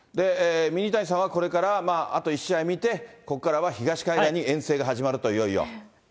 ミニタニさんはこれから、あと１試合見て、ここからは東海岸に遠征が始まると、いよいよ。